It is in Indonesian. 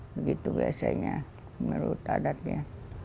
begitu biasanya menurut adatnya